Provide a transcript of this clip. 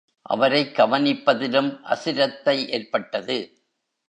அவரைக் கவனிப்பதிலும் அசிரத்தை ஏற்பட்டது.